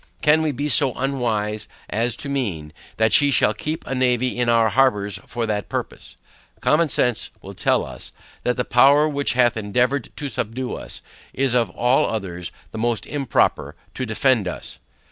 Can we be so unwise as to mean, that she shall keep a navy in our harbours for that purpose? Common sense will tell us, that the power which hath endeavoured to subdue us, is of all others, the most improper to defend us.